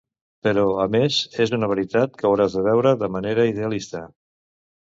Però a més és una veritat que hauràs de veure de manera idealista.